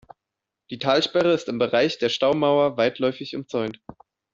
Die Talsperre ist im Bereich der Staumauer weitläufig umzäunt.